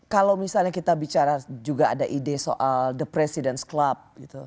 kalau misalnya kita bicara juga ada ide soal the president club